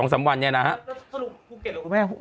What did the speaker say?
แล้วสรุปภูเก็ตหรือเปล่า